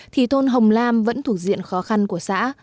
thì thôn hồng lam vẫn thuộc diện khó khăn của xã